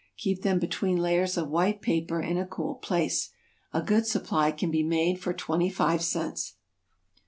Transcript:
Keep them between layers of white paper in a cool place. A good supply can be made for twenty five cents.